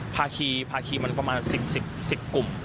ภาคีภาคีมันประมาณ๑๐กลุ่ม